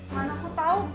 mana aku tau